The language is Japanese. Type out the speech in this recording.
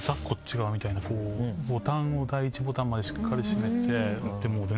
ボタンを第一ボタンまでしっかり閉めて。